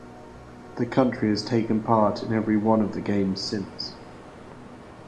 The country has taken part in every one of the games since.